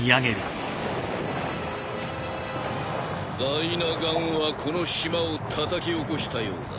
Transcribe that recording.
ダイナ岩はこの島をたたき起こしたようだな。